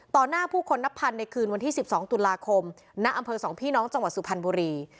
หน้าผู้คนนับพันในคืนวันที่๑๒ตุลาคมณอำเภอ๒พี่น้องจังหวัดสุพรรณบุรี